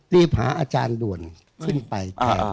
รีบหาอาจารย์ด่วนขึ้นไป